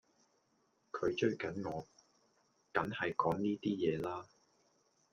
佢追緊我,緊係講呢啲嘢啦